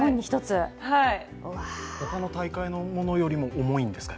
他の大会のものよりも重いんですか？